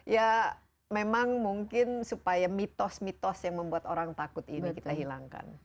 ya memang mungkin supaya mitos mitos yang membuat orang takut ini kita hilangkan